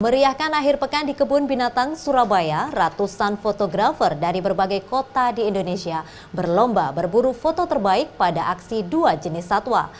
meriahkan akhir pekan di kebun binatang surabaya ratusan fotografer dari berbagai kota di indonesia berlomba berburu foto terbaik pada aksi dua jenis satwa